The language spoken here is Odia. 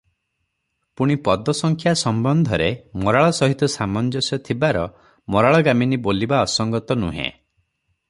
ପୁଣି ପଦସଂଖ୍ୟା ସମ୍ବନ୍ଧରେ ମରାଳ ସହିତ ସାମଞ୍ଜସ୍ୟ ଥିବାର ମରାଳଗାମିନୀ ବୋଲିବା ଅସଙ୍ଗତ ନୁହେଁ ।